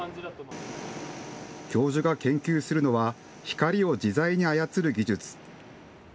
教授が研究するのは光を自在に操る技術。